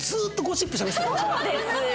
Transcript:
そうですよ！